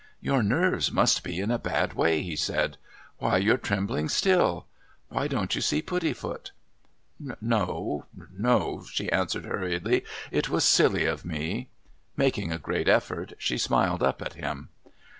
"Your nerves must be in a bad way," he said. "Why, you're trembling still! Why don't you see Puddifoot?" "No no," she answered hurriedly. "It was silly of me " Making a great effort, she smiled up at him.